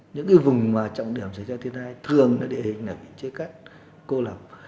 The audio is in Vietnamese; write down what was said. những cái vùng mà trọng điểm xảy ra thiên tai thường nó địa hình là bị chia cắt cô lập